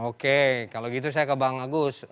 oke kalau gitu saya ke bang agus